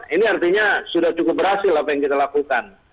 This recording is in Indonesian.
ini artinya sudah cukup berhasil apa yang kita lakukan